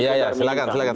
iya ya silahkan